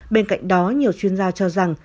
bên cạnh đó nhiều chuyên gia cho rằng